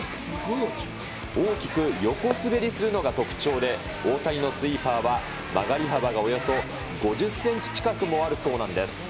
大きく横滑りするのが特徴で、大谷のスイーパーは曲がり幅がおよそ５０センチ近くもあるそうなんです。